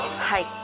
はい。